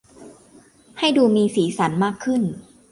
ให้ดูมีสีสรรค์มากขึ้น